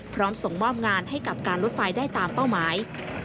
ส่งมอบงานให้กับการลดไฟได้ตามเป้าหมาย